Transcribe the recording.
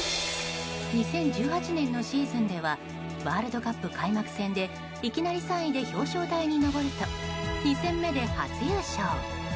２０１８年のシーズンではワールドカップ開幕戦でいきなり３位で表彰台に上ると２戦目で初優勝。